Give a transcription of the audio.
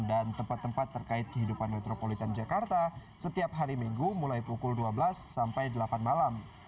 dan tempat tempat terkait kehidupan metropolitan jakarta setiap hari minggu mulai pukul dua belas sampai delapan malam